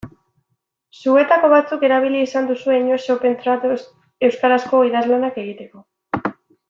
Zuetako batzuk erabili izan duzue inoiz Opentrad euskarazko idazlanak egiteko.